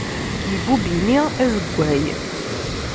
Ibubb ini azeggay.